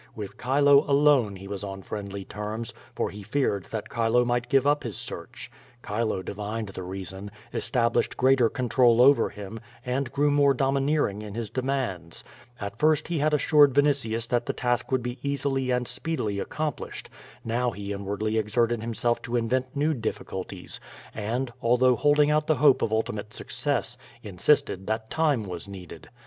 With Chile alone he was on friendly terms, for he feared that Chile might give up his search. Chile divined the reason, established greater control over him, and grew more domineering in his demands. At first he had assured Vini tius that the task would be easily and speedily accomplished. Now he inwardly exerted himself to invent new difficulties, and, although holding out the hope of ultimate success, in sisted that time was needed.